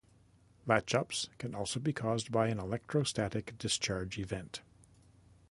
Latch-ups can also be caused by an electrostatic discharge event.